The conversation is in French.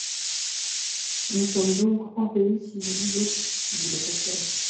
Nous sommes donc en pays civilisé? dit le chasseur.